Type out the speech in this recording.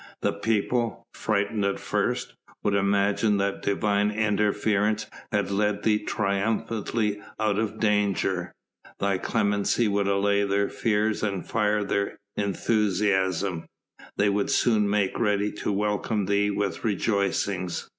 The people, frightened at first, would imagine that divine interference had led thee triumphantly out of danger, thy clemency would allay their fears and fire their enthusiasm; they would soon make ready to welcome thee with rejoicings.